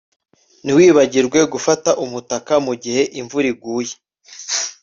Ntiwibagirwe gufata umutaka mugihe imvura iguye